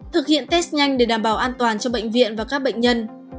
thực hiện test nhanh để đảm bảo an toàn cho bệnh viện và các bệnh nhân